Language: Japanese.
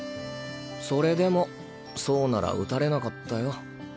それでも走なら打たれなかったよ。